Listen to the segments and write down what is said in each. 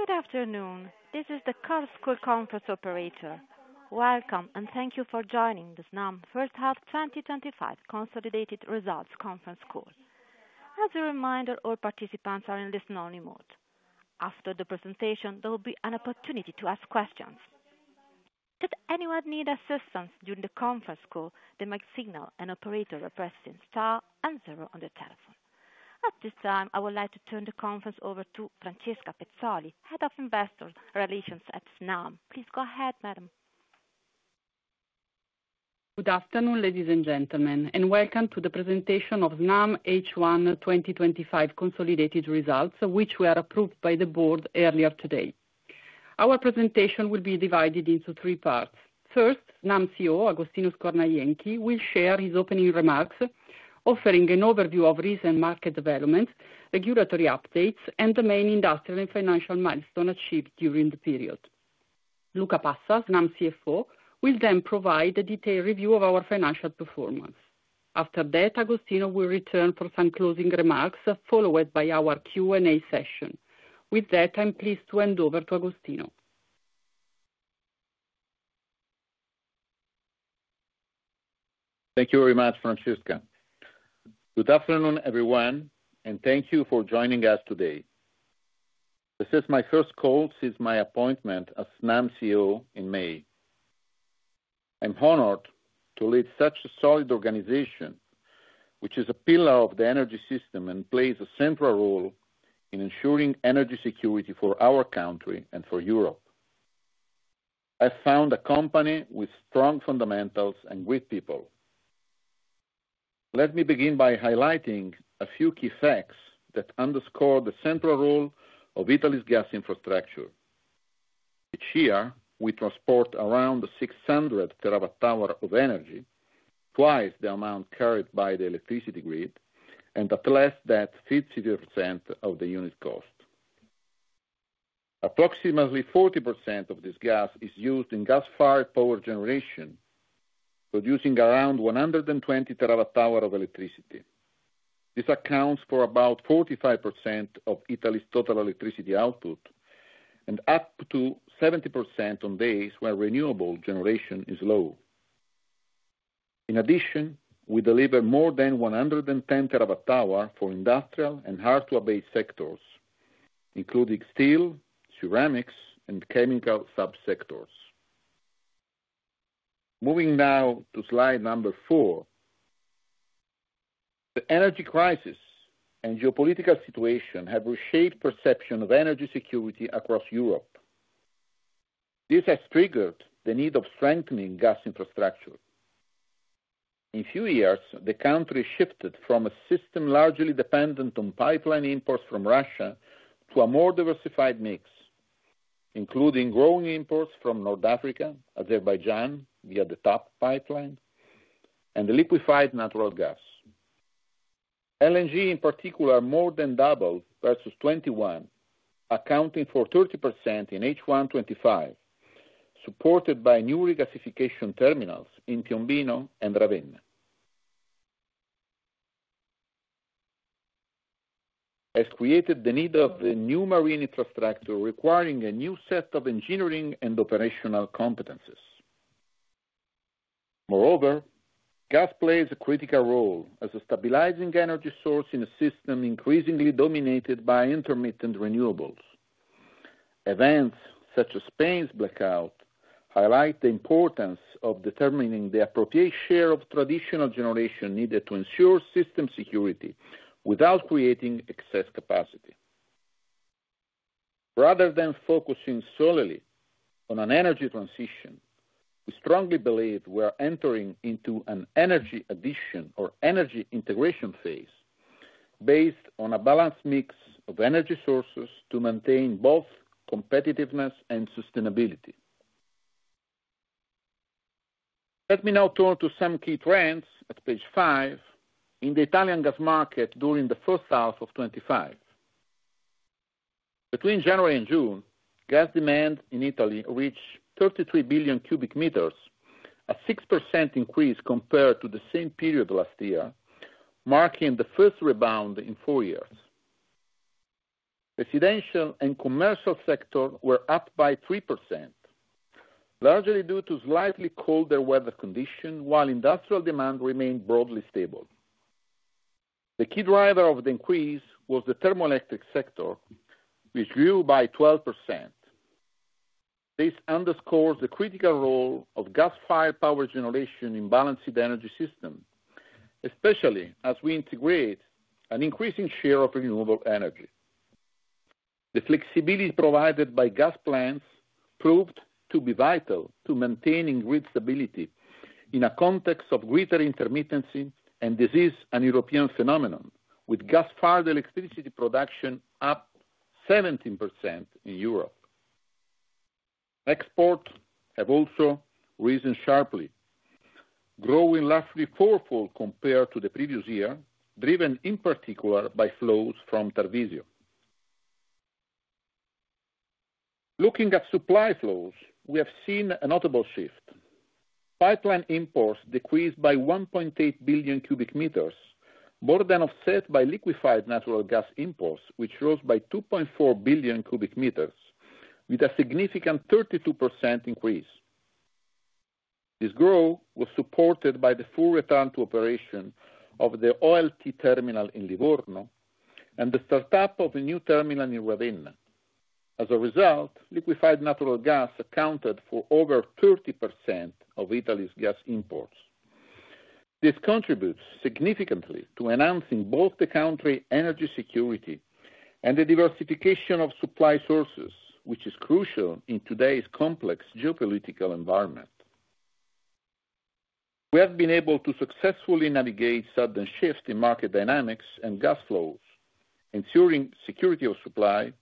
Good afternoon, this is the chorus call conference operator. Welcome and thank you for joining the Snam First Half 2025 Consolidated Results Conference Call. As a reminder, all participants are in listen-only mode. After the presentation, there will be an opportunity to ask questions. Should anyone need assistance during the conference call, they might signal an operator by pressing star and zero on the telephone. At this time I would like to turn the conference over to Francesca Pezzoli, Head of Investor Relations at Snam. Please go ahead, madam. Good afternoon ladies and gentlemen and welcome to the presentation of Snam H1 2025 consolidated results which were approved by the Board earlier today. Our presentation will be divided into three parts. First, Snam's CEO, Agostino Scornajenchi will share his opening remarks offering an overview of recent market developments, regulatory updates and the main industrial and financial milestone achieved during the period. Luca Passa, Snam's CFO, will then provide a detailed review of our financial performance. After that, Agostino will return for some closing remarks followed by our Q&A session. With that I am pleased to hand over to Agostino. Thank you very much, Francesca. Good afternoon everyone and thank you for joining us today. This is my first call since my appointment as Snam's CEO in May. I'm honored to lead such a solid organization which is a pillar of the energy system and plays a central role in ensuring energy security for our country and for Europe. I found a company with strong fundamentals and great people. Let me begin by highlighting a few key facts that underscore the central role of Italy's gas infrastructure. Each year we transport around 600 TWh of energy, twice the amount carried by the electricity grid and at least at 50% of the unit cost. Approximately 40% of this gas is used in gas-fired power generation, producing around 120 TWh of electricity. This accounts for about 45% of Italy's total electricity output and up to 70% on days where renewable generation is low. In addition, we deliver more than 110 TWh for industrial and hardware-based sectors including steel, ceramics and chemical subsectors. Moving now to slide number four. The energy crisis and geopolitical situation have reshaped perception of energy security across Europe. This has triggered the need of strengthening gas infrastructure. In a few years the country shifted from a system largely dependent on pipeline imports from Russia to a more diversified mix including growing imports from North Africa, Azerbaijan via the TAP pipeline and liquefied natural gas. LNG in particular more than doubled versus 2021, accounting for 30% in H1 2025, supported by new regasification terminals in Piombino and Ravenna, has created the need of a new marine infrastructure requiring a new set of engineering and operational competences. Moreover, gas plays a critical role as a stabilizing energy source in a system increasingly dominated by intermittent renewables. Events such as Spain's blackout highlight the importance of determining the appropriate share of traditional generation needed to ensure system security without creating excess capacity. Rather than focusing solely on an energy transition, we strongly believe we are entering into an energy addition or energy integration phase based on a balanced mix of energy sources to maintain both competitiveness and sustainability. Let me now turn to some key trends at page five in the Italian gas market. During the first half of 2025 between January and June, gas demand in Italy reached 33 billion cubic meters, a 6% increase compared to the same period last year, marking the first rebound in four years. Residential and commercial sector were up by 3% largely due to slightly colder weather condition, while industrial demand remained broadly stable. The key driver of the increase was the thermoelectric sector which grew by 12%. This underscores the critical role of gas-fired power generation in balanced energy system, especially as we integrate an increasing share of renewable energy. The flexibility provided by gas plants proved to be vital to maintaining grid stability in a context of greater intermittency and this is an European phenomenon. With gas-fired electricity production up 17% in Europe, export have also risen sharply, growing roughly fourfold compared to the previous year, driven in particular by flows from Tarvisio. Looking at supply flows we have seen a notable shift. Pipeline imports decreased by 1.8 billion cubic meters, more than offset by liquefied natural gas imports which rose by 2.4 billion cubic meters with a significant 32% increase. This growth was supported by the full return to operation of the OLT terminal in Livorno and the start-up of a new terminal in Ravenna. As a result, liquefied natural gas accounted for over 30% of Italy's gas imports. This contributes significantly to enhancing both the country energy security and the diversification of supply sources, which is crucial in today's complex geopolitical environment, we have been able to successfully navigate sudden shift in market dynamics and gas flows. Ensuring security of supply.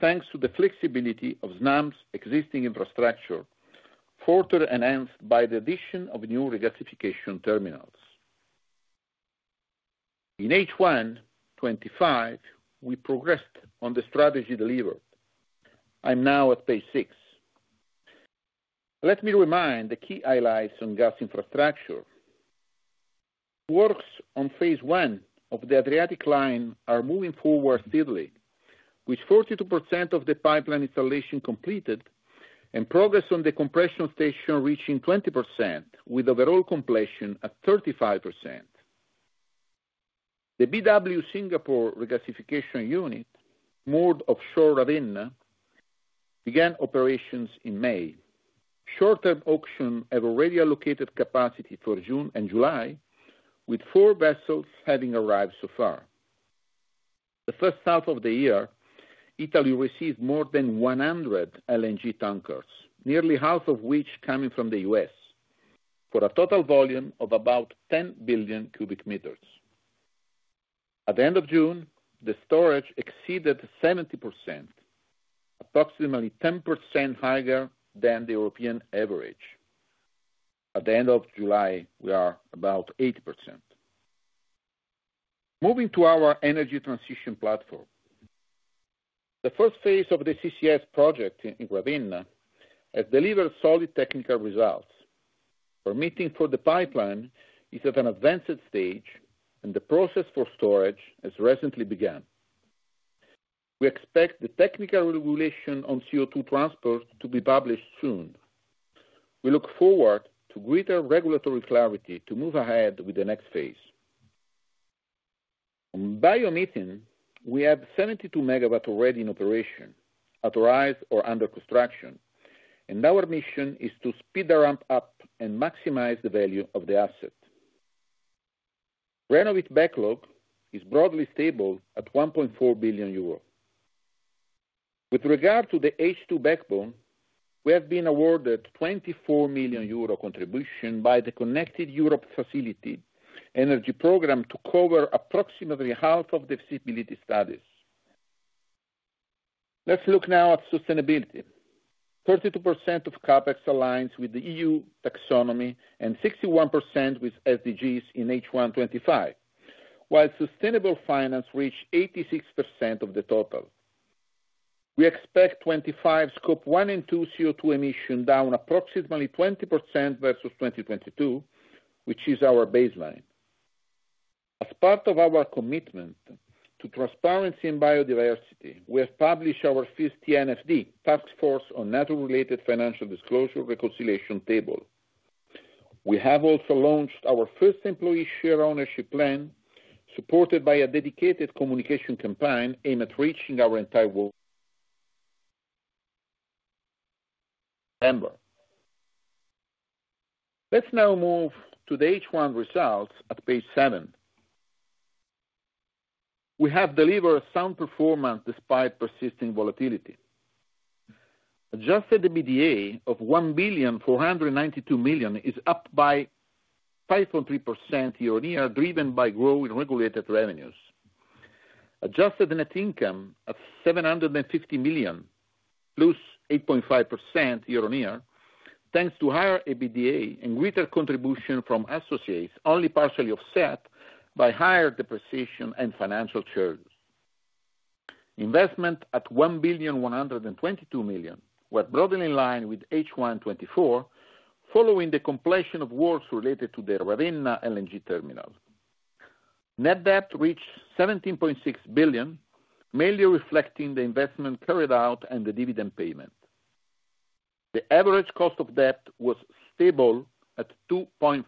Thanks to the flexibility of Snam's existing infrastructure, further enhanced by the addition of new regasification terminals in H1 2025 we progressed on the strategy delivered. I am now at page six. Let me remind the key highlights on gas infrastructure. Works on phase I of the Adriatic Line are moving forward steadily with 42% of the pipeline installation completed and progress on the compression station reaching 20% with overall completion at 35%. The BW Singapore Regasification unit moored offshore Ravenna began operations in May. Short-term auctions have already allocated capacity for June and July with four vessels having arrived so far. The first half of the year, Italy received more than 100 LNG tankers, nearly half of which coming from the U.S. for a total volume of about 10 billion cubic meters. At the end of June the storage exceeded 70%, approximately 10% higher than the European average. At the end of July we are about 80% moving to our energy transition platform. The first phase of the CCS project in Ravenna has delivered solid technical results. Permitting for the pipeline is at an advanced stage and the process for storage has recently begun. We expect the technical regulation on CO2 transport to be published soon. We look forward to greater regulatory clarity to move ahead with the next phase on biomethane. We have 72 MW already in operation, authorized or under construction and our mission is to speed the ramp-up and maximize the value of the asset. Renovit backlog is broadly stable at 1.4 billion euros. With regard to the H2 backbone, we have been awarded 24 million euro contribution by the Connected Europe Facility Energy Program to cover approximately half of the facility studies. Let's look now at sustainability. 32% of CapEx aligns with the EU taxonomy and 61% with SDGs in H1 2025, while sustainable finance reached 86% of the total. We expect 2025 Scope 1 and 2 CO2 emission down approximately 20% versus 2022 which is our baseline. As part of our commitment to transparency and biodiversity, we have published our fifth TNFD Taskforce on Nature-related Financial Disclosures reconciliation table. We have also launched our first Employee Share Ownership Plan supported by a dedicated communication campaign aimed at reaching our entire world. Let's now move to the H1 results at page seven. We have delivered a sound performance despite persisting volatility. Adjusted EBITDA of 1,492,000,000 is up by 5.3% year-on-year driven by growing regulated revenues. Adjusted net income of 750 million rose 8.5% year-on-year thanks to higher EBITDA and greater contribution from associates, only partially offset by higher depreciation and financial charges. Investment at 1,122,000,000 were broadly in line with H1 2024. Following the completion of works related to the Ravenna LNG terminal, net debt reached 17.6 billion, mainly reflecting the investment carried out and the dividend payment. The average cost of debt was stable at 2.5%.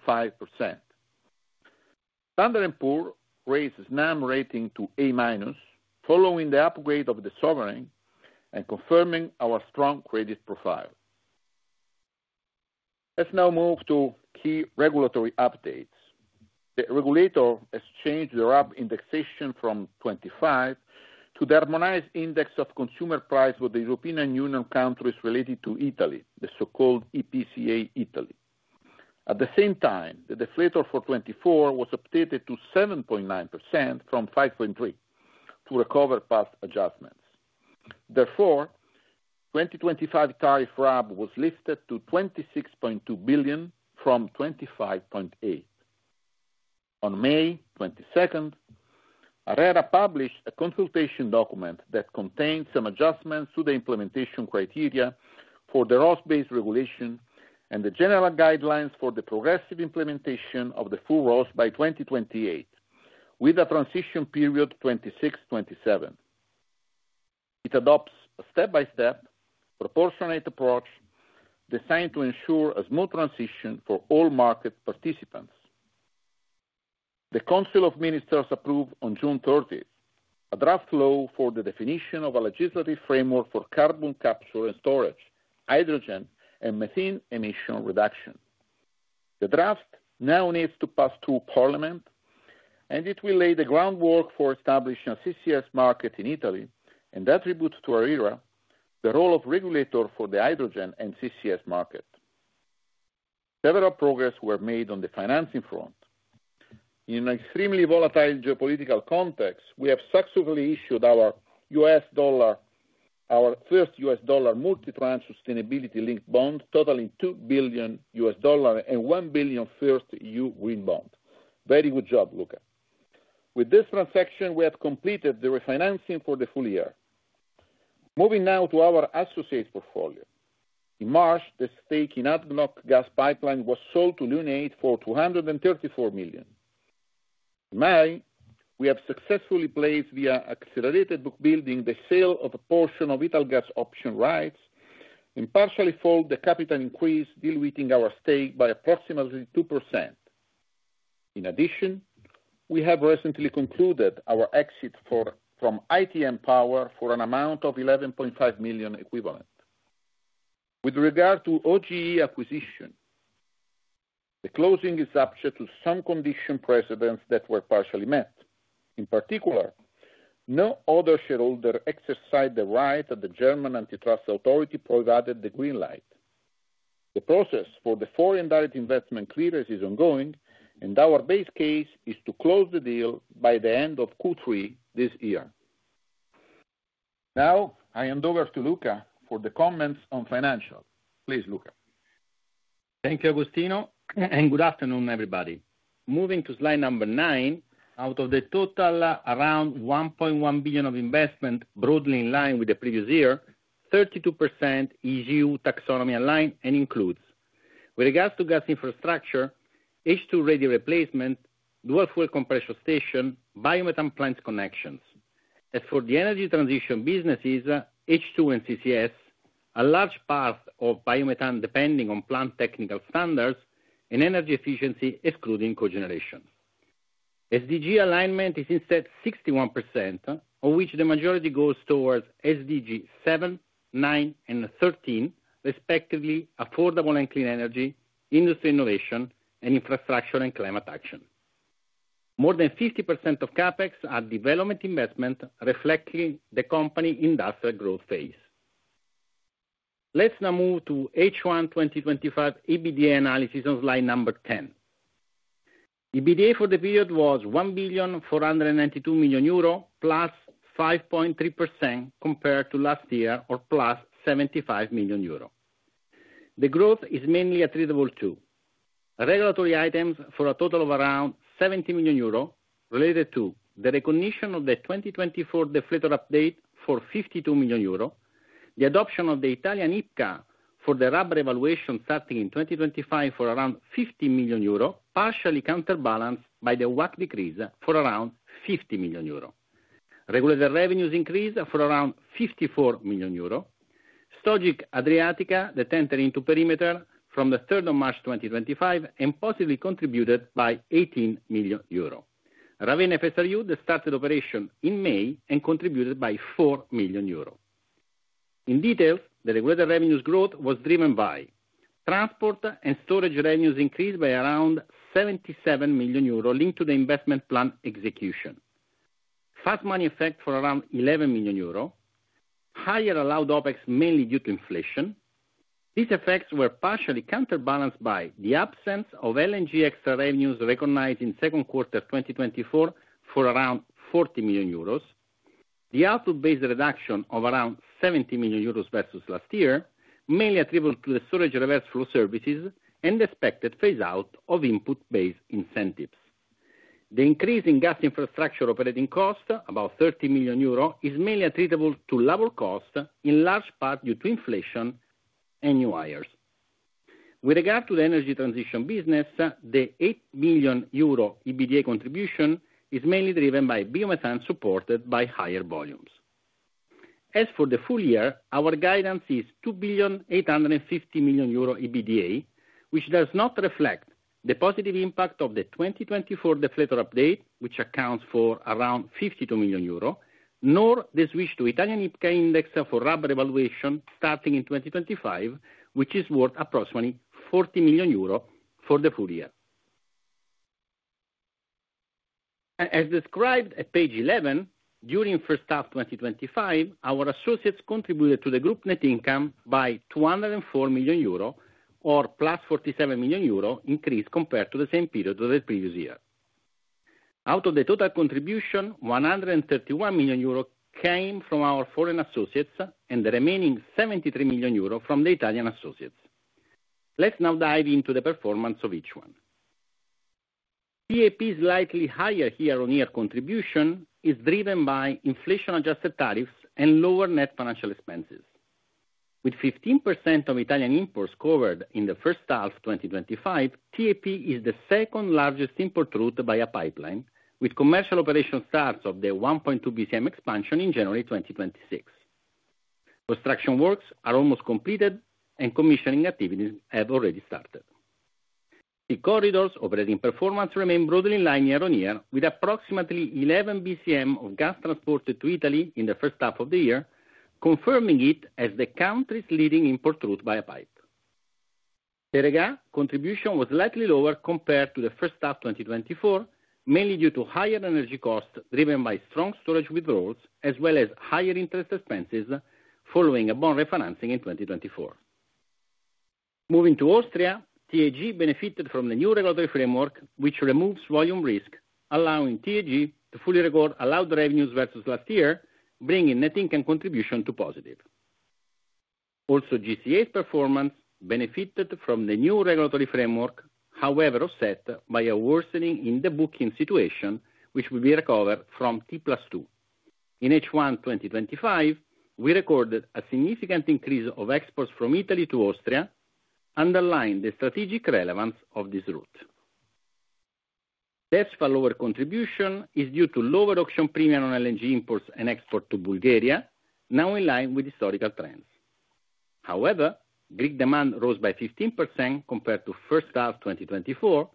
Standard & Poor's raised Snam rating to A- following the upgrade of the sovereign and confirming our strong credit profile. Let's now move to key regulatory updates. The regulator has changed the RAB indexation from 2.5% to the Harmonized Index of Consumer Prices for the European Union countries related to Italy, the so-called IPCA Italy. At the same time, the deflator for 2024 was updated to 7.9% from 5.3% to recover past adjustments. Therefore, 2025 tariff RAB was lifted to 26.2 billion from 25.8 billion. On May 22nd, ARERA published a consultation document that contained some adjustments to the implementation criteria for the ROSS-based regulation and the general guidelines for the progressive implementation of the full ROSS by 2028 with a transition period 2026-2027. It adopts a step-by-step proportionate approach designed to ensure a smooth transition for all market participants. The Council of Ministers approved on June 30th a draft law for the definition of a legislative framework for carbon capture and storage, hydrogen, and methane emission reduction. The draft now needs to pass through Parliament and it will lay the groundwork for establishing a CCS market in Italy and attributes to ARERA the role of regulator for the hydrogen and CCS market. Several progress were made on the financing front in an extremely volatile geopolitical context. We have successfully issued our first U.S. dollar multi-tranche sustainability-linked bond totaling $2 billion and 1 billion first EU green bond. Very good job, Luca. With this transaction, we have completed the refinancing for the full year, moving now to our associates portfolio. In March, the stake in ADNOC Gas Pipelines was sold to Lunate for 234 million. In May, we have successfully placed via accelerated book building the sale of a portion of Italgas option rights and partially followed the capital increase, diluting our stake by approximately 2%. In addition, we have recently concluded our exit from ITM Power for an amount of 11.5 million equivalent. With regard to OGE acquisition, the closing is subject to some condition precedents that were partially met. In particular, no other shareholder exercised the right and the German Antitrust Authority provided the green light. The process for the foreign direct investment clearance is ongoing and our base case is to close the deal by the end of Q3 this year. Now I hand over to Luca for the comments on financials. Please, Luca. Thank you Agostino and good afternoon everybody. Moving to slide number nine. Out of the total around 1.1 billion of investment, broadly in line with the previous year, 32% EU taxonomy aligned and includes, with regards to gas infrastructure, H2 radio replacement, dual fuel compression station, biomethane plant connections. As for the energy transition businesses, H2 and CCS, a large part of biometan depending on plant technical standards and energy efficiency excluding cogeneration. SDG alignment is instead 61% of which the majority goes towards SDG 7, 9 and 13 respectively. Affordable and clean energy, industry innovation and infrastructure, and climate action. More than 50% of CapEx are development investment reflecting the company industrial growth phase. Let's now move to H1 2025 EBITDA analysis on slide number 10. EBITDA for the period was 1,492,000,000 euro, +5.3% compared to last year or plus 75 million euro. The growth is mainly attributable to regulatory items for a total of around 70 million euro. Related to the recognition of the 2024 deflator update for 52 million euro, the adoption of the Italian IPCA for the RAB evaluation starting in 2025 for around 50 million euro packages, partially counterbalanced by the WACC decrease for around 50 million euro. Regulated revenues increased for around 54 million euro. Stogit Adriatica that entered into perimeter from the 3rd of March 2025 and positively contributed by 18 million euro, Ravenna FSRU that started operation in May and contributed by 4 million euro. In detail, the regulated revenue growth was driven by transport and storage revenues increased by around 77 million euros linked to the investment plan execution, fast money effect for around 11 million euros, higher allowed OpEx mainly due to inflation. These effects were partially counterbalanced by the absence of LNG extra revenues recognized in second quarter 2024 for around 40 million euros. The output-based reduction of around 70 million euros versus last year mainly attributed. To the storage reverse flow services. The expected phase out of input-based incentives. The increase in gas infrastructure operating cost, about 30 million euro, is mainly attributable to lower costs in large part due to inflation and new hires. With regard to the energy transition business, the 8 million euro EBITDA contribution is mainly driven by biomethane, supported by higher volumes as for the full year. Our guidance is 2,850,000,000 EBITDA, which does not reflect the positive impact of the 2024 deflator update, which accounts for around 52 million euro, nor the switch to Italian IPCA index for RAB evaluation starting in 2025, which is worth approximately 40 million euro for the full year as described at page 11. During first half 2025, our associates contributed to the group net income by 204 million euro, or 47 million euro increase compared to the same period of the previous year. Out of the total contribution, 131 million euro came from our foreign associates and the remaining 73 million euro from the Italian associates. Let's now dive into the performance of each one. TAP's slightly higher year-on-year contribution is driven by inflation-adjusted tariffs and lower net financial expenses. With 15% of Italian imports covered in the first half 2025, TAP is the second largest import route by pipeline, with commercial operation start of the 1.2 bcm expansion in January 2026. Construction works are almost completed and commissioning activities have already started. The corridor's operating performance remained broadly in line year-on-year, with approximately 11 bcm of gas transported to Italy in the first half of the year, confirming it as the country's leading import route by pipe. Perega contribution was slightly lower compared to the first half 2024, mainly due to higher energy costs driven by strong storage withdrawals as well as higher interest expenses following a bond refinancing in 2024. Moving to Austria, TAG benefited from the new regulatory framework, which removes volume risk, allowing TAG to fully record allowed revenues versus last year, bringing net income contribution to positive. Also, GCA's performance benefited from the new regulatory framework, however offset by a worsening in the booking situation, which will be recovered from t+2. In H1 2025, we recorded a significant increase of exports from Italy to Austria, underlying the strategic relevance of this route. Desfa lower contribution is due to lower auction premium on LNG imports and export to Bulgaria now in line with historical trends. However, Greek demand rose by 15% compared to first half 2024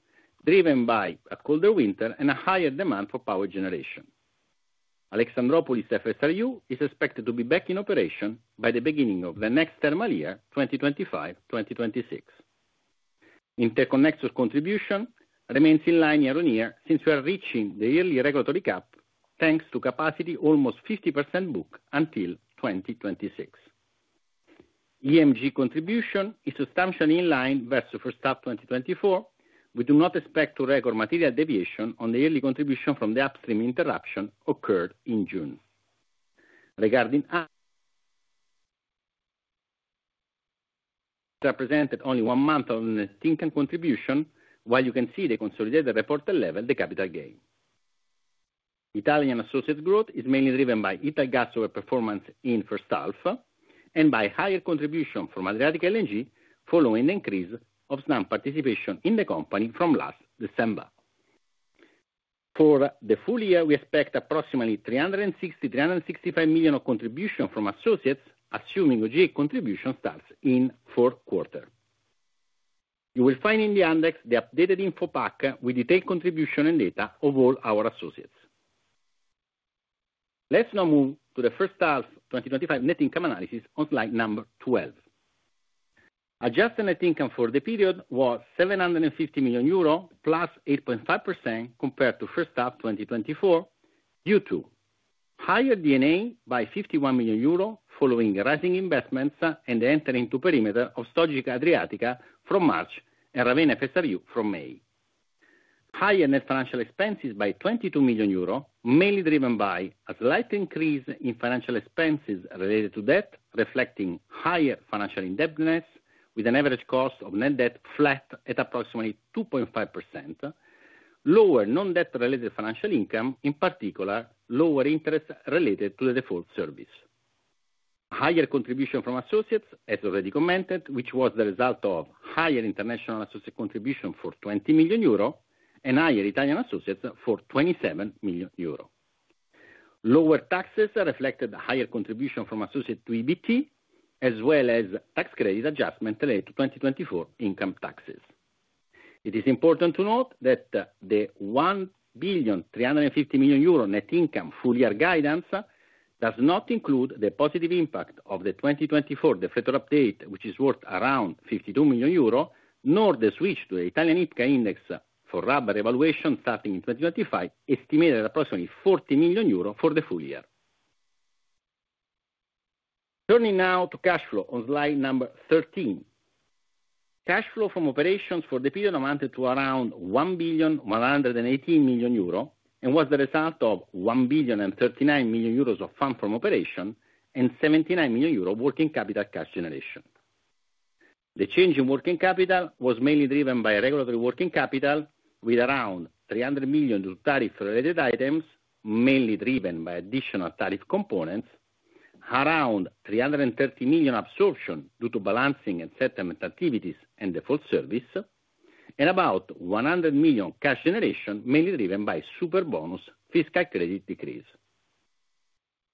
driven by a colder winter and a higher demand for power generation. Alexandroupolis FSRU is expected to be back in operation by the beginning of the next thermal year 2025. 2026 interconnectors contribution remains in line year-on-year since we are reaching the yearly regulatory cap thanks to capacity almost 50% booked until 2026. EMG contribution is substantially in line versus first half 2024 with we do not expect to record material deviation on the yearly contribution from the upstream. Interruption occurred in June regarding represented only one month of net income contribution. While you can see in the consolidated report level the capital gain, Italian associates growth is mainly driven by Italgas overperformance in first half and by higher contribution from Adriatic LNG following the increase of Snam participation in the company from last December. For the full year we expect approximately 360 million-365 million of contribution from associates, assuming OGE contribution starts in fourth quarter. You will find in the index the updated info pack with detailed contribution and data of all our associates. Let's now move to the first half 2025 net income analysis on slide number 12. Adjusted net income for the period was 750 million euro, +8.5% compared to first half 2024 due to higher D&A by 51 million euro following rising investments and enter into perimeter of Stogit Adriatica from March, and Ravenna FSRU from May. Higher net financial expenses by 22 million euro mainly driven by a slight increase in financial expenses related to debt, reflecting higher financial indebtedness with an average cost of net debt flat at approximately 2.5%. Lower non-debt related financial income, in particular lower interest related to the default service. Higher contribution from associates as already commented, which was the result of higher international associate contribution for 20 million euro and higher Italian associates for 27 million euro. Lower taxes reflected higher contribution from associates to EBIT as well as tax credit adjustment related to 2024 income taxes. It is important to note that the 1,350,000,000 euro net income full year guidance does not include the positive impact of the 2024 deflator update which is worth around 52 million euro nor the switch to the Italian IPCA index for RAB evaluation starting in 2025 estimated at approximately 40 million euro for the full year. Turning now to cash flow on slide number 13. Cash flow from operations for the period amounted to around 1,118,000,000 euro and was the result of 1,039,000,000 euros of fund from operation and 79 million euro working capital cash generation. The change in working capital was mainly driven by regulatory working capital with around 300 million of tariff-related items mainly driven by additional tariff components, around 330 million absorption due to balancing and settlement activities and default service and about 100 million cash generation mainly driven by Super Bonus fiscal credit decrease.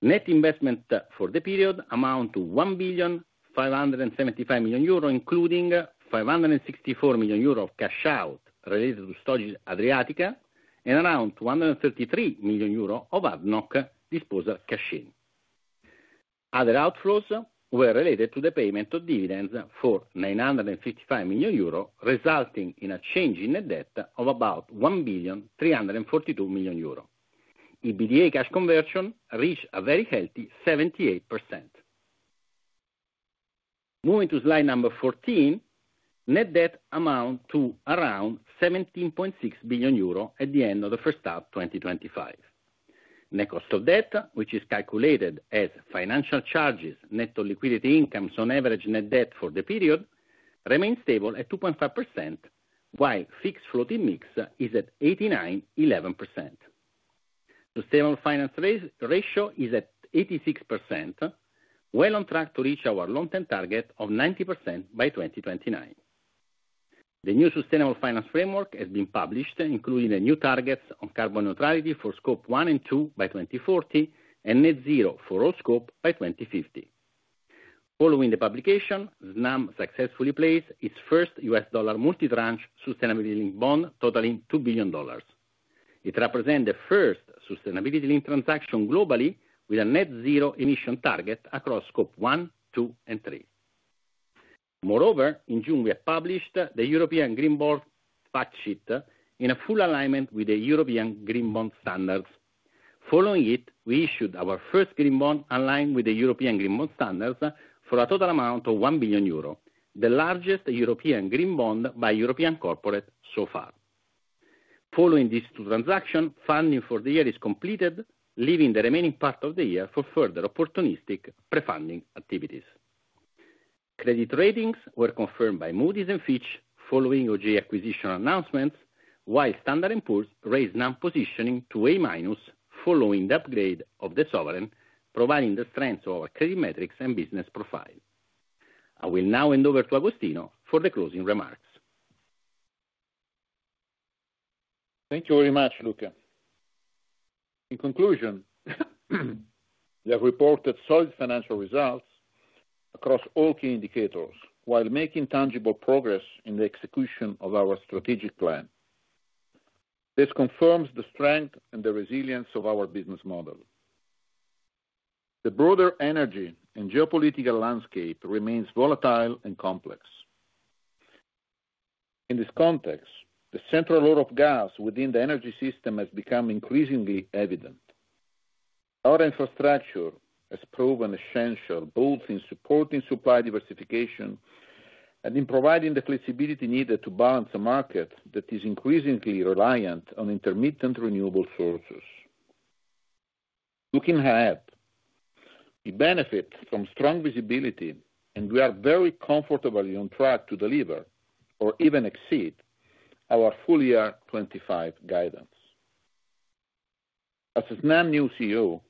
Net investment for the period amount to 1,575,000,000 euro including 564 million euro of cash out related to Stogit Adriatica and around 233 million euro of ADNOC disposal cash-in. Other outflows were related to the payment of dividends for 955 million euro resulting in a change in net debt of about 1,342,000,000 euro. EBITDA cash conversion reached a very healthy 78% moving to slide number 14. Net debt amount to around 17.6 billion euro at the end of the first half 2025. Net cost of debt which is calculated as financial charges net of liquidity incomes. On average, net debt for the period remains stable at 2.5% while fixed floating mix is at 89%, 11%. Sustainable finance ratio is at 86% on track to reach our long-term target of 90% by 2029. The new Sustainable Finance Framework has been published including the new targets on carbon neutrality for Scope 1 and 2 by 2040 and net zero for all scope by 2050. Following the publication, Snam successfully placed its first U.S. dollar multi-tranche sustainability-linked bond totaling $2 billion. It represents the first sustainability-linked transaction globally with a net zero emission target across Scope 1, 2 and 3. Moreover, in June we have published the European Green Bond Fact Sheet in full alignment with the European Green Bond Standards. Following it, we issued our first green bond aligned with the European Green Bond Standards for a total amount of 1 billion euro, the largest European green bond by European corporate so far. Following these two transactions, funding for the year is completed, leaving the remaining part of the year for further opportunistic pre-funding activities. Credit ratings were confirmed by Moody's and Fitch following OGE acquisition announcements, while Standard & Poor's raised Snam positioning to A- following the upgrade of the sovereign, providing the strength of our credit metrics and business profile. I will now hand over to Agostino for the closing remarks. Thank you very much, Luca. In conclusion, we have reported solid financial results across all key indicators while making tangible progress in the execution of our strategic plan. This confirms the strength and the resilience of our business model. The broader energy and geopolitical landscape remains volatile and complex. In this context, the central role of gas within the energy system has become increasingly evident. Our infrastructure has proven essential both in supporting supply diversification and in providing the flexibility needed to balance a market that is increasingly reliant on intermittent renewable sources. Looking ahead, we benefit from strong visibility and we are very comfortably on track to deliver or even exceed our full year 2025 guidance. As Snam new CEO,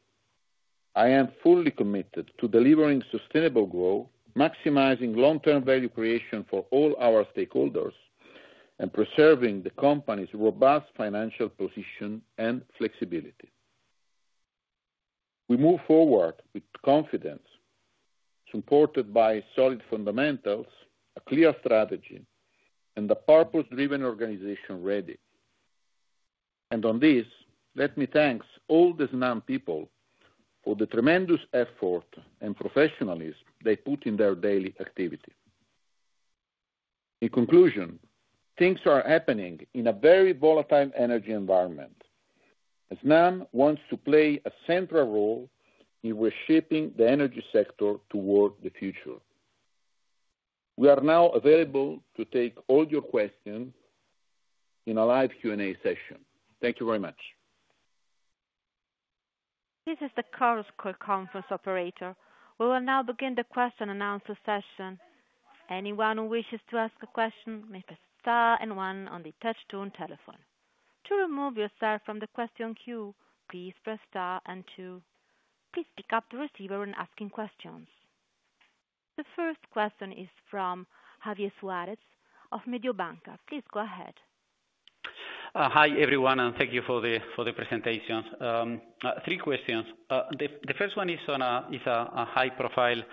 I am fully committed to delivering sustainable growth, maximizing long term value creation for all our stakeholders, and preserving the company's robust financial position and flexibility. We move forward with confidence, supported by solid fundamentals, a clear strategy, and a purpose-driven organization ready, and on this let me thank all the Snam people for the tremendous effort and professionalism they put in their daily activity. In conclusion, things are happening in a very volatile energy environment as Snam wants to play a central role in reshaping the energy sector toward the future. We are now available to take all your questions in a live Q&A session. Thank you very much. This is the chorus call conference operator. We will now begin the question-and-answer session. Anyone who wishes to ask a question may please star and one on the touchtone telephone. To remove yourself from the question queue, please press star and two. Please pick up the receiver when asking questions. The first question is from Javier Suarez of Mediobanca. Please go ahead. Hi everyone and thank you for the presentations. Three questions. The first one is a high-profile,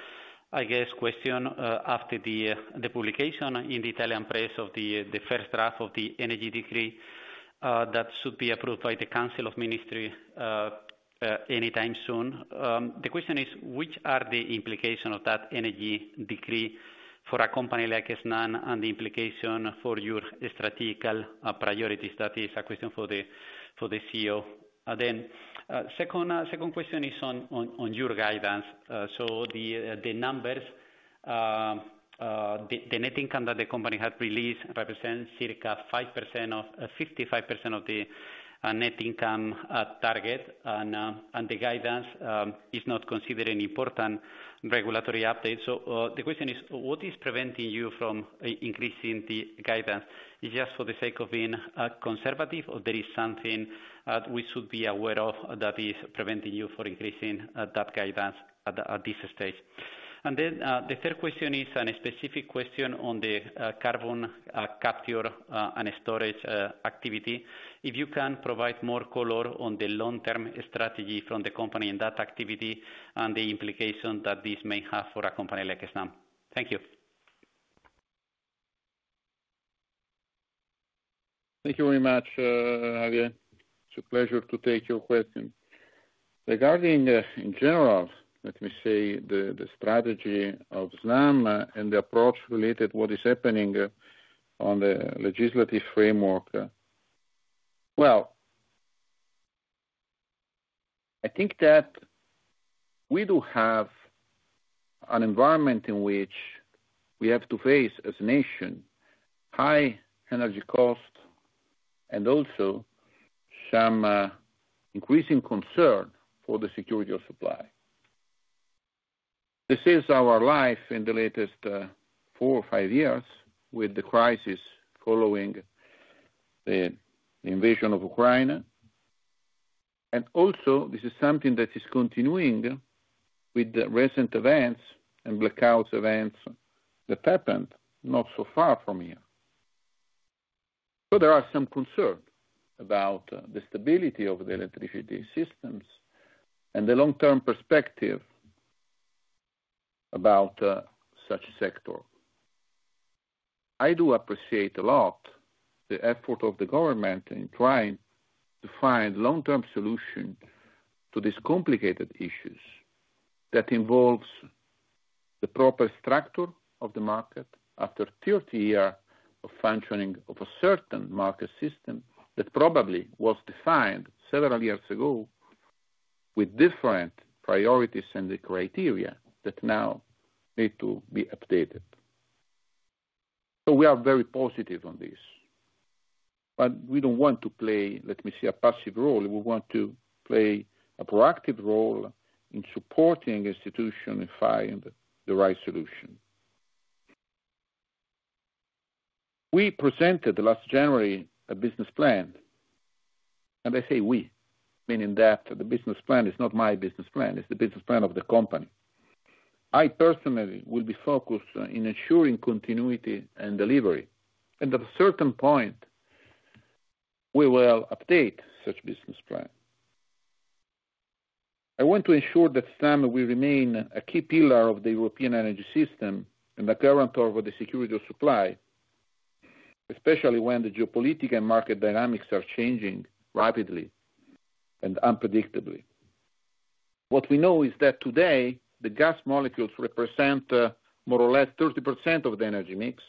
I guess, question after the publication in the Italian press of the first draft of the energy decree that should be approved by the Council of Ministry anytime soon. The question is, which are the implications of that energy decree for a company like Snam and the implication for your strategical priorities? That is a question for the CEO. The second question is on your guidance. The numbers, the net income that the company had released, represents circa 55% of the net income target. The guidance is not considered an important regulatory update. The question is, what is preventing you from increasing the guidance? Is it just for the sake of being conservative or is there something we should be aware of that is preventing you from increasing that guidance at this stage? The third question is a specific question on the carbon capture and storage activity. If you can provide more color on the long-term strategy from the company in that activity and the implication that this may have for a company like Snam. Thank you. Thank you very much, Javier. A pleasure to take your question regarding, in general, let me say, the strategy of Snam and the approach related, what is happening on the legislative framework. I think that we do have an environment in which we have to face as a nation high energy cost and also some increasing concern for the security of supply. This is our life in the latest four or five years with the crisis following the invasion of Ukraine. This is something that is continuing with the recent events and blackout events that happened not so far from here. There are some concerns about the stability of the electricity systems and the long-term perspective about such a sector. I do appreciate a lot the effort of the government in trying to find long-term solutions to these complicated issues that involves the proper structure of the market after 30 years of functioning of a certain market system that probably was defined several years ago with different priorities and the criteria that now need to be updated. We are very positive on this, but we do not want to play, let me say, a passive role. We want to play a proactive role in supporting institutions and find the right solution. We presented last January a business plan and I say we meaning that the business plan is not my business plan, it is the business plan of the company. I personally will be focused in ensuring continuity and delivery and at a certain point we will update such business plan. I want to ensure that Snam will remain a key pillar of the European energy system and the current of the security of supply, especially when the geopolitic and market dynamics are changing rapidly and unpredictably. What we know is that today the gas molecules represent more or less 30% of the energy mix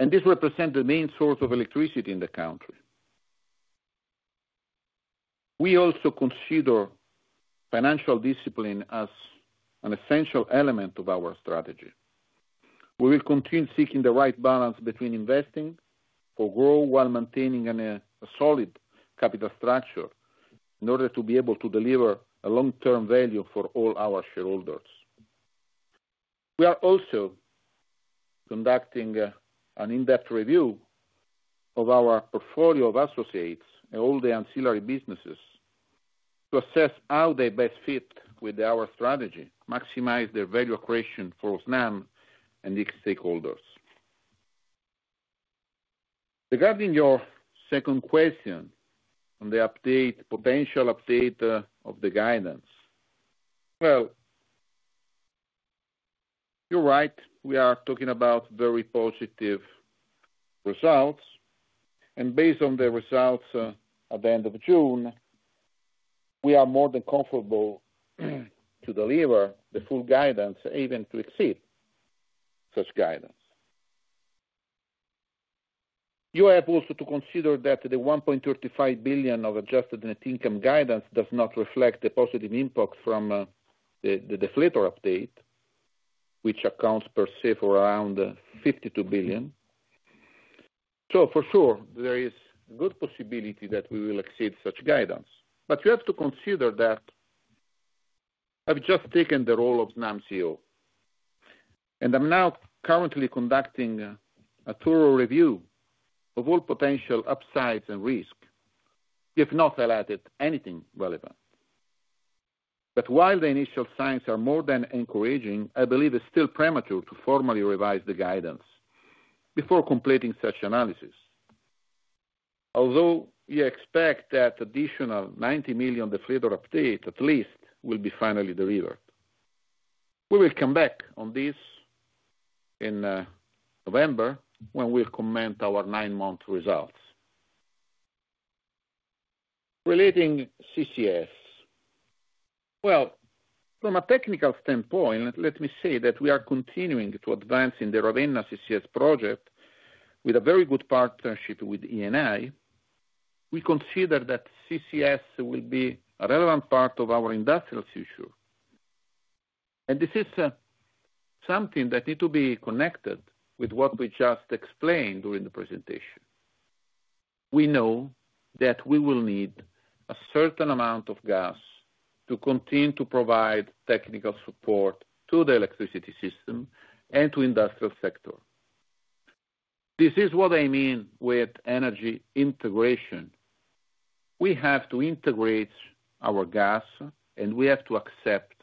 and this represents the main source of electricity in the country. We also consider financial discipline as an essential element of our strategy. We will continue seeking the right balance between investing for growth while maintaining a solid capital structure in order to be able to deliver a long-term value for all our shareholders. We are also conducting an in depth review of our portfolio of associates and all the ancillary businesses to assess how they best fit with our strategy and maximize their value creation for Snam and its stakeholders. Regarding your second question on the potential update of the guidance, you're right, we are talking about very positive results and based on the results at the end of June we are more than comfortable to deliver the full guidance, even to exceed such guidance. You have also to consider that the 1.35 billion of adjusted net income guidance does not reflect the positive impact from the deflator update, which accounts per se for around 52 million. For sure there is good possibility that we will exceed such guidance. You have to consider that I've just taken the role at Snam CEO and I'm now currently conducting a thorough review of all potential upsides and risks, if not highlighted anything relevant. While the initial signs are more than encouraging, I believe it's still premature to formally revise the guidance before completing such analysis. Although we expect that additional 90 million, the deflator update at least will be finally delivered. We will come back on this in November when we comment our nine-month results. Relating to CCS, from a technical standpoint, let me say that we are continuing to advance in the Ravenna CCS project with a very good partnership with Eni. We consider that CCS will be a relevant part of our industrial future and this is something that needs to be connected with what we just explained during the presentation. We know that we will need a certain amount of gas to continue to provide technical support to the electricity system and to the industrial sector. This is what I mean with energy integration. We have to integrate our gas and we have to accept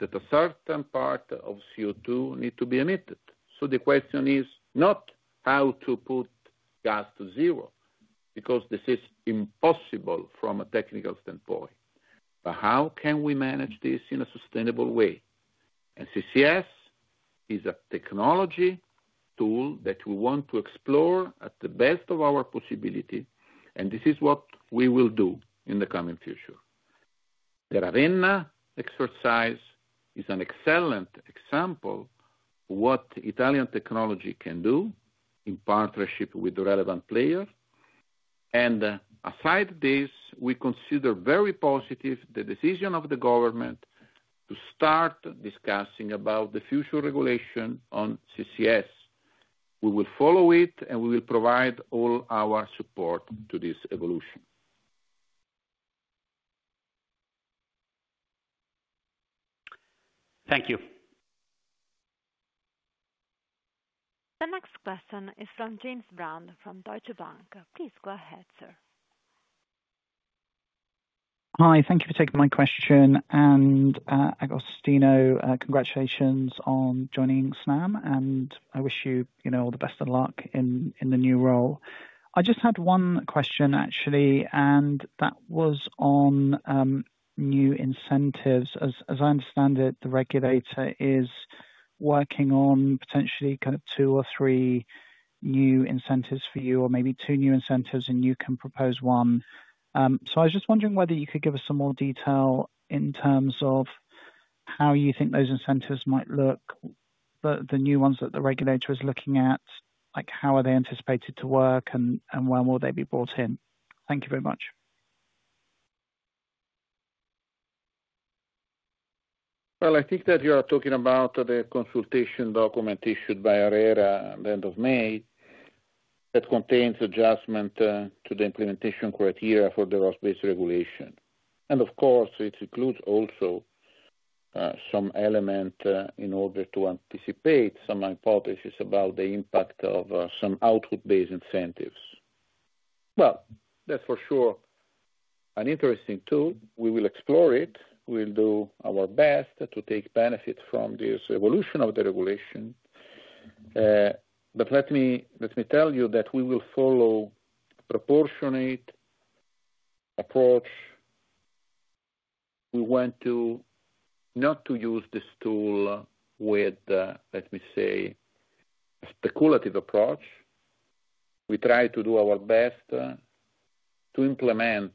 that a certain part of CO2 needs to be emitted. The question is not how to put gas to zero, because this is impossible from a technical standpoint, but how can we manage this in a sustainable way? CCS is a technology tool that we want to explore at the best of our possibility. This is what we will do in the coming future. The Ravenna exercise is an excellent example of what Italian technology can do in partnership with the relevant players. Aside from this, we consider very positive the decision of the government to start discussing about the future regulation on CCS. We will follow it and we will provide all our support to this evolution. Thank you. The next question is from James Brand from Deutsche Bank. Please go ahead, sir. Hi, thank you for taking my question and Agostino, congratulations on joining Snam and I wish you all the best of luck in the new role. I just had one question actually, and that was on new incentives. As I understand it, the regulator is working on potentially kind of two or three new incentives for you, or maybe two new incentives and you can propose one. I was just wondering whether you could give us some more detail in terms of how you think those incentives might look, the new ones that the regulator is looking at, like how are they anticipated to work and when will they be brought in? Thank you very much. I think that you are talking about the consultation document issued by ARERA at the end of May that contains adjustment to the implementation criteria for the ROSS-based regulation. It includes also some element in order to anticipate some hypotheses about the impact of some output-based incentives. That is for sure an interesting tool. We will explore it. We will do our best to take benefit from this evolution of the regulation. Let me tell you that we will follow a proportionate approach. We want not to use this tool with, let me say, a speculative approach. We try to do our best to implement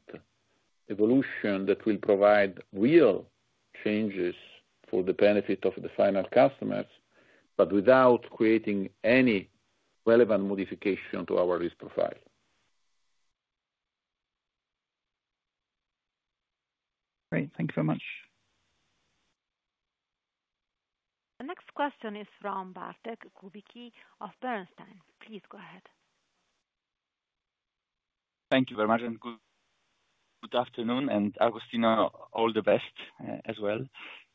evolution that will provide real changes for the benefit of the final customers, but without creating any relevant modification to our risk profile. Great, thank you very much. The next question is from Bartek Kubicki of Bernstein. Please go ahead. Thank you very much and good. Good afternoon. Agostino, all the best as well.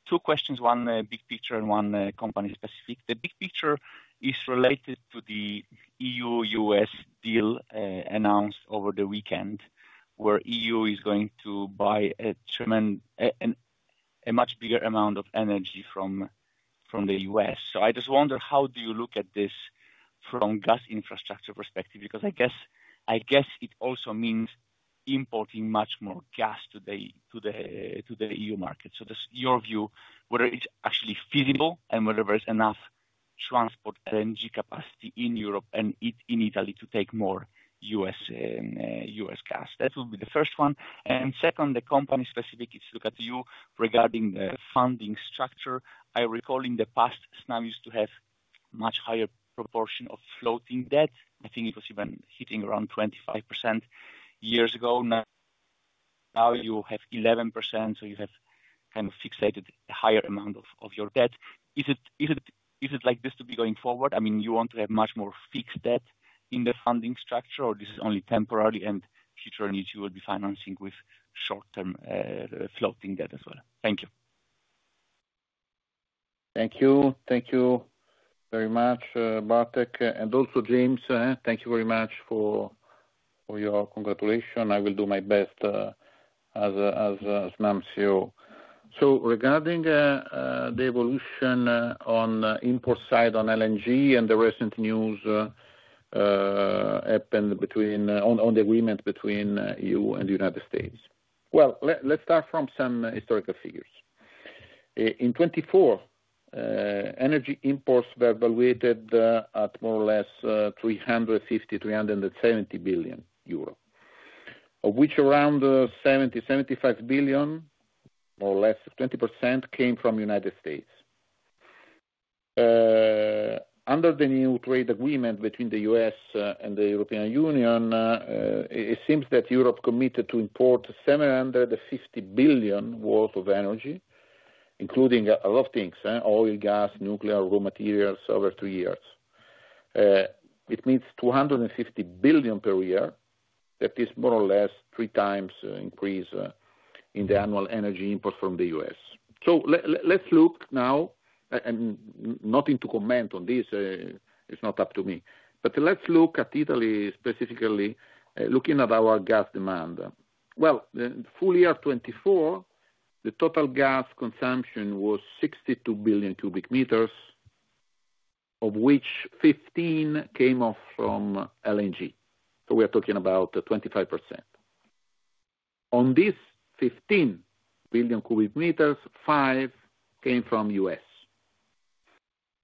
Two questions, one big picture and one company specific. The big picture is related to the EU-U.S. deal announced over the weekend, where EU is going to buy. A. Much bigger amount of energy from the U.S. I just wonder, how do you look at this from gas infrastructure perspective? I guess it also means importing much more gas to the EU market. What's your view whether it's actually feasible and whether there's enough transport LNG capacity in Europe and in Italy to take more U.S. gas? That would be the first one. Second, the company specific, if you look at you regarding the funding structure, I recall in the past Snam used to have much higher proportion of floating debt but I think it was even hitting around 25% years ago. Now you have 11%. You have kind of fixated a higher amount of your debt. Is it like this to be going forward? I mean, you want to have much more fixed debt in the funding structure or is this only temporary and future energy you will be financing with short-term floating debt as well? Thank you. Thank you. Thank you very much, Bartek, and also James, thank you very much for your congratulation. I will do my best as Snam CEO. Regarding the evolution on import side on LNG and the recent news. On. The agreement between the EU and the United States. Let's start from some historical figures. In 2024, energy imports were valued at 350 billion-370 billion euro, of which around 70 billion-75 billion, more or less 20%, came from the United States. Under the new trade agreement between the U.S. and the European Union, it seems that Europe committed to import 750 billion worth of energy, including a lot of things, oil, gas, nuclear, raw materials. Over three years, it means 250 billion per year. That is more or less a 3x increase in the annual energy import from the U.S. Let's look now, and nothing to comment on this, it's not up to me. Let's look at Italy specifically, looking at our gas demand. For full year 2024, the total gas consumption was 62 billion cubic meters, of which 15 billion came from LNG. We are talking about 25%. Of this 15 billion cubic meters, 5 billion came from the U.S.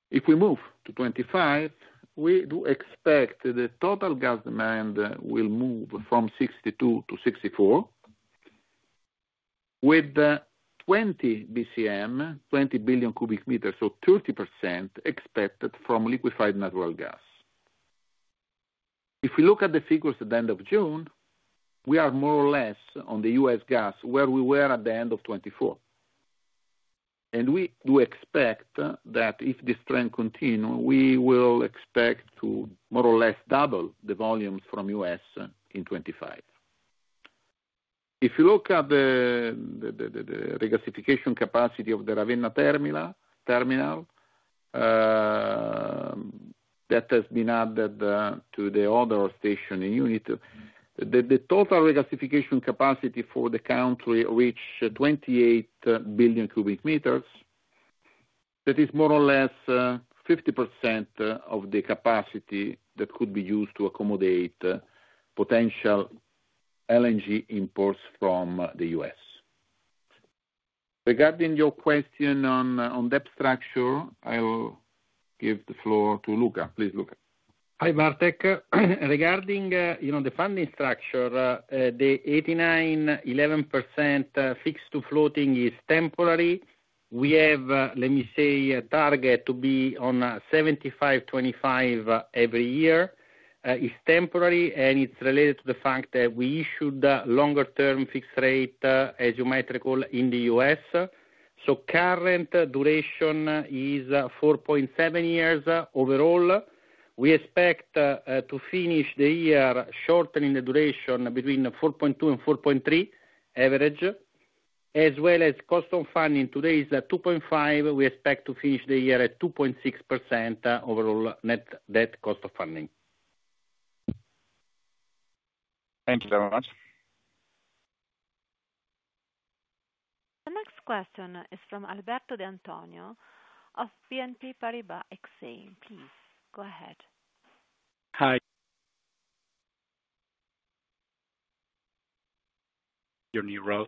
If we move to 2025, we do expect the total gas demand will move from 62 to 64, with 20 bcm, 20 billion cubic meters, or 30% expected from liquefied natural gas. If we look at the figures at the end of June, we are more or less on the U.S. gas where we were at the end of 2024. We do expect that if this trend continues, we will expect to more or less double the volumes from the U.S. in 2025. If you look at the regasification capacity of the Ravenna terminal that has been added to the other station in unit, the total regasification capacity for the country reached 28 billion cubic meters. That is more or less 50% of the capacity that could be used to accommodate potential LNG imports from the U.S. Regarding your question on debt structure, I'll give the floor to Luca, please. Luca. Hi Martek. Regarding the funding structure, the 89%, 11% fixed to floating is temporary. We have, let me say, a target to be on 75%, 25% every year. It is temporary and it's related to the fact that we issued longer term fixed rate as you might recall in the U.S. So current duration is 4.7 years. Overall, we expect to finish the year shortening the duration between 4.2 and 4.3 average as well as cost of funding. Today is 2.5%. We expect to finish the year at 2.6% overall net debt cost of funding. Thank you very much. The next question is from Alberto de Antonio of BNP Paribas Exane. Please go ahead. Hi, your new role.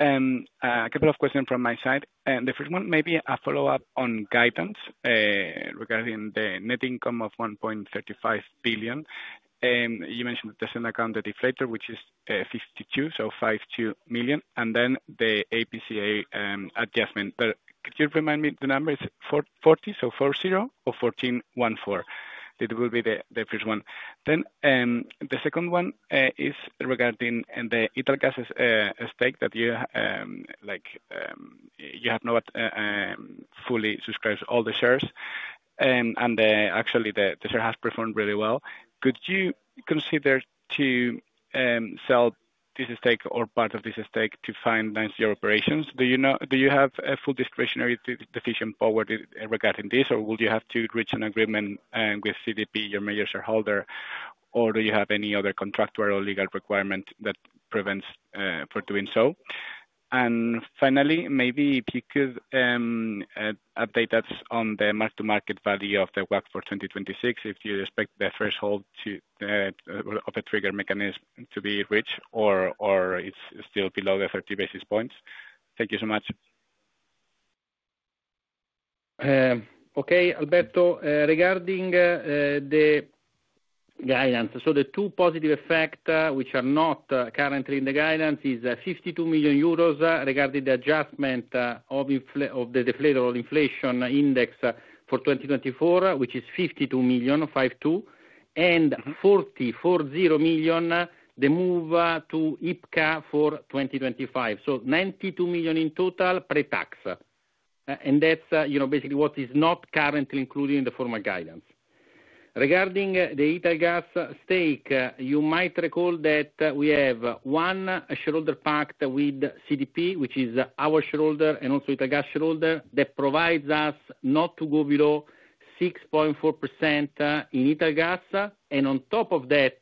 A couple of questions from my side and the first one may be a follow-up on guidance regarding the net income of 1.35 billion. You mentioned the testing account, the deflator which is 52 million, so 52 million and then the IPCA adjustment. Could you remind me the number is 40, so 4-0, or 14-14? It will be the first one. The second one is regarding the Italgas stake that you like. You have not fully subscribed all the shares and actually the share has performed really well. Could you consider to sell this stake or part of this stake to finance your operations? Do you have a full discretionary decision forward regarding this? Would you have to reach an agreement with CDP, your major shareholder? Do you have any other contractual legal requirement that prevents for doing so? Finally, maybe if you could update us on the mark-to-market value of the WACC for 2026. If you expect the threshold of a trigger mechanism to be reached or it's still below the 30 basis points. Thank you so much. Okay, Alberto, regarding the guidance. The two positive effects which are not currently in the guidance are 52 million euros. Regarding the adjustment of the deflator of the inflation index for 2024, which is 52 million, 52 million and 44.0 million. The move to IPCA for 2025, so 92 million in total pretax. That is basically what is not currently included in the formal guidance. Regarding the Italgas stake, you might recall that we have one shareholder pact with CDP, which is our shareholder and also Italgas shareholder, that provides for us not to go below 6.4% in Italgas. On top of that,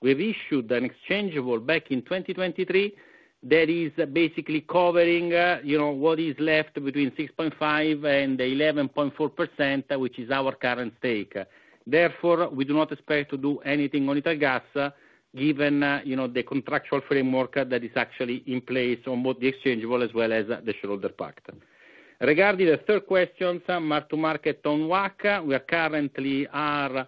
we have issued an exchangeable back in 2023 that is basically covering what is left between 6.5% and 11.4%, which is our current stake. Therefore, we do not expect to do anything on Italgas, given the contractual framework that is actually in place on both the exchangeable as well as the shareholder pact. Regarding the third question, mark-to-market on WACC, we currently are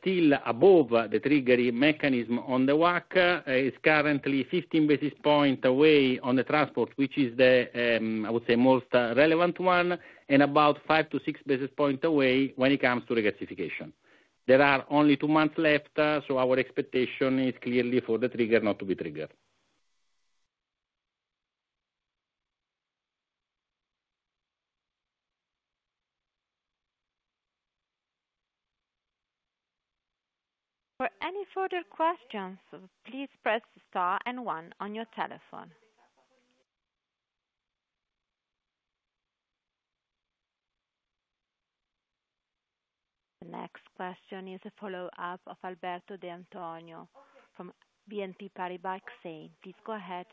still above the triggering mechanism. The WACC is currently 15 basis points away on the transport, which is, I would say, the most relevant one, and about 5 basis points-6 basis points away when it comes to regasification. There are only two months left. Our expectation is clearly for the trigger not to be triggered. For any further questions, please press star and one on your telephone. The next question is a follow-up of Alberto de Antonio from BNP Paribas Exane. Please go ahead.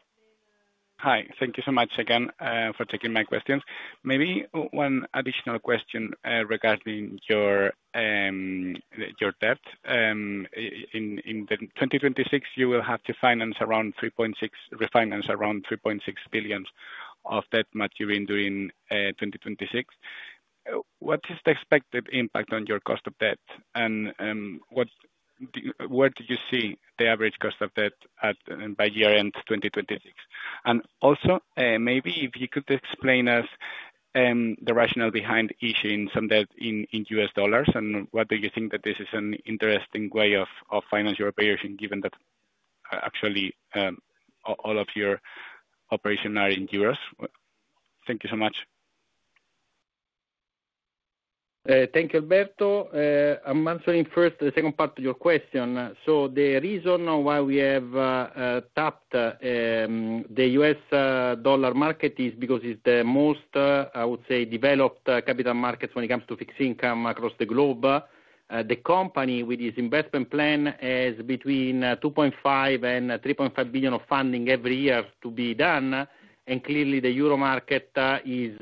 Hi, thank you so much again for taking my questions. Maybe one additional question regarding your debt. In 2026 you will have to finance around 3.6 billion of debt maturing during 2026. What is the expected impact on your cost of debt and where do you see the average cost of debt by year-end 2026? Also, maybe if you could explain to us the rationale behind issuing some debt in U.S. dollars? Do you think that this is an interesting way of financing your payers given that actually all of your operations are in euros? Thank you so much. Thank you, Alberto. I'm answering first the second part of your question. The reason why we have tapped the U.S. dollar market is because it's the most, I would say, developed capital markets when it comes to fixed income across the globe. The company with its investment plan has between 2.5 billion and 3.5 billion of funding every year to be done. Clearly, the Euromarket is,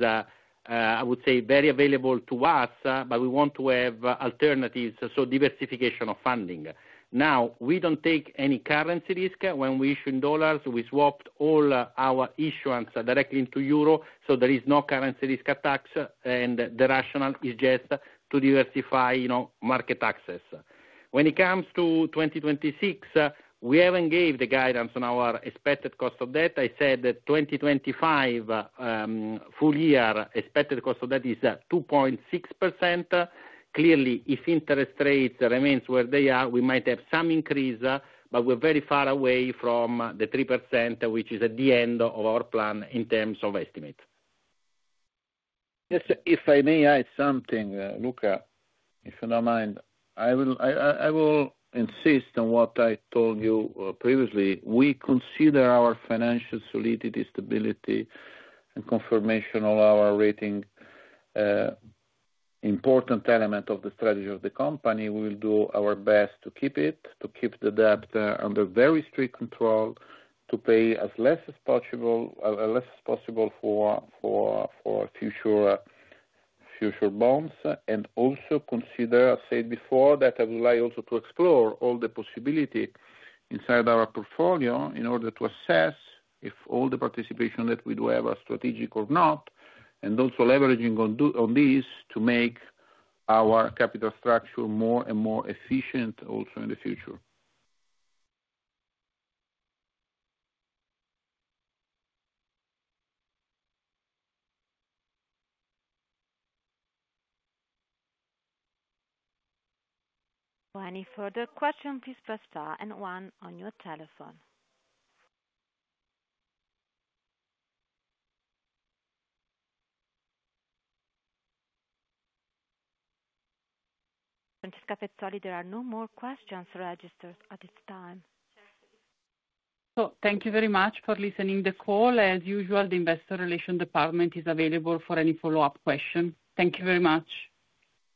I would say, very available to us, but we want to have alternatives. Diversification of funding. Now, we do not take any currency risk when we issue dollars; we swapped all our issuance directly into euro. There is no currency risk attached. The rationale is just to diversify market access. When it comes to 2026, we have not given the guidance on our expected cost of debt. I said that 2025 full year expected cost of debt is 2.6%. Clearly, if interest rates remain where they are, we might have some increase, but we are very far away from the 3% which is at the end of our plan in terms of estimate. Yes, if I may add something, Luca, if you do not mind, I will insist on what I told you previously. We consider our financial solidity, stability, and confirmation of our rating important elements of the strategy of the company. We will do our best to keep it, to keep the debt under very strict control, to pay as little as possible for future bonds, and also consider, as said before, that I would like also to explore all the possibility inside our portfolio in order to assess if all the participation that we do have are strategic or not. Also leveraging on these to make our capital structure more and more efficient in the future. For any further question please press star and one on your telephone. Francesca Pezzoli. There are no more questions registered. This time so thank you very much for listening the call. As usual, the Investor Relations department is available for any follow-up question. Thank you very much.